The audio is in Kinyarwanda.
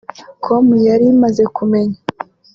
com yari imaze kumenya